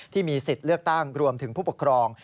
ที่มีสิทธิ์เลือกตั้งรวมถึงผู้ปกครอง